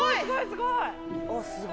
すごい。